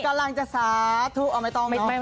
กำลังจะสาธุอ้อไม่ต้องเนอะ